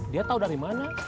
dia tahu dari mana